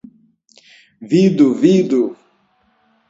Vidu, vidu!